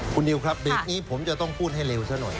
คุณนิวครับเบรกนี้ผมจะต้องพูดให้เร็วซะหน่อย